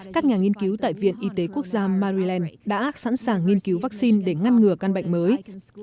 các nhà nghiên cứu tại viện y tế quốc gia maryland đã sẵn sàng nghiên cứu vaccine để ngăn ngừa căn bệnh mới